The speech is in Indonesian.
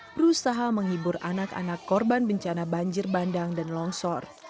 berusaha menghibur anak anak korban bencana banjir bandang dan longsor